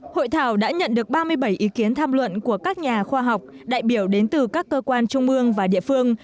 hội thảo đã nhận được ba mươi bảy ý kiến tham luận của các nhà khoa học đại biểu đến từ các cơ quan trung ương và địa phương